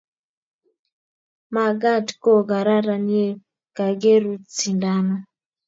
makad ko kararan ye kakerut sindano.